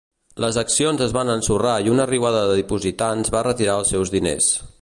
Les accions es van ensorrar i una riuada de dipositants va retirar els seus diners.